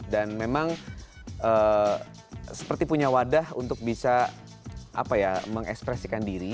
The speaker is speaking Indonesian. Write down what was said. dan memang seperti punya wadah untuk bisa apa ya mengekspresikan diri